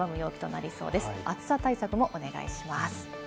暑さ対策もお願いします。